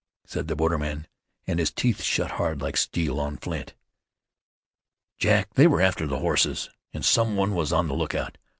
said the borderman, and his teeth shut hard like steel on flint. "Jack, they were after the horses, and some one was on the lookout!